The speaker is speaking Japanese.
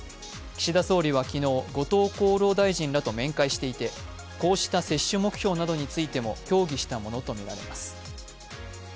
岸田総理は昨日、後藤厚労大臣らと面会していてこうした接種目標などについても協議したものとみられます。